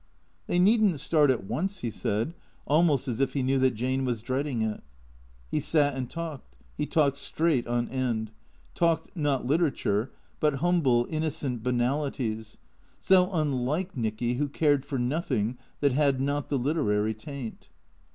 They need n't start at once, he said, almost as if he knew that Jane was dreading it. He sat and talked ; he talked straight on end; talked, not literature, but humble, innocent banalities, so unlike Nicky who cared for nothing that had not the literary taint.